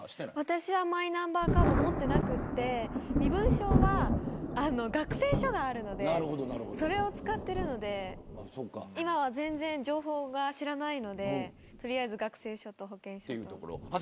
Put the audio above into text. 私はマイナンバーカード持ってなくて身分証は学生証があるのでそれを使っているので今は全然情報が知らないので取りあえず学生証と保険証。